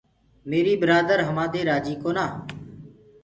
ميري برآدآر همآدي رآجي ڪونآ۔